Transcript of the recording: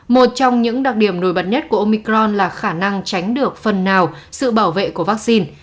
một trong những đặc điểm nổi bật nhất của omicron là khả năng tránh được phần nào sự bảo vệ của vaccine